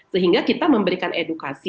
sehingga kita memberikan edukasi